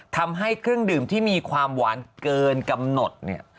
ทำให้เครื่องดื่มที่มีความหวานเกินกำหนดเนี่ย